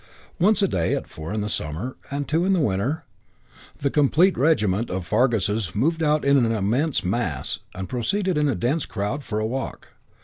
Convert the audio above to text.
Once a day, at four in summer and at two in winter, the complete regiment of Farguses moved out in an immense mass and proceeded in a dense crowd for a walk.